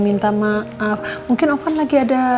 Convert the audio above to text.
minta maaf mungkin oven lagi ada